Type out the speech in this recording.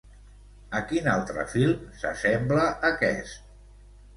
A quin altre film s'assembla aquest?